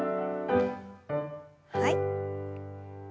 はい。